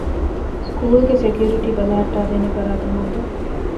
ސްކޫލުގެ ސެކިއުރިޓީ ބަލަހައްޓައިދޭނެ ފަރާތެއް ހޯދުން